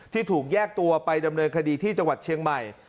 ที่ถูกแยกตัวไปดำเนินคดีที่จังหวัดเชียงใหม่